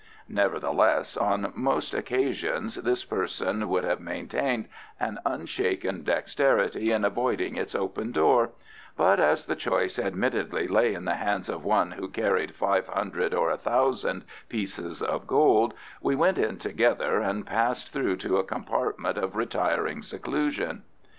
Nevertheless, on most occasions this person would have maintained an unshaken dexterity in avoiding its open door, but as the choice admittedly lay in the hands of one who carried five hundred or a thousand pieces of gold we went in together and passed through to a compartment of retiring seclusion.